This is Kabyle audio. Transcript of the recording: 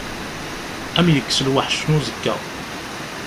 Ad m-yekkes lweḥc n uẓekka.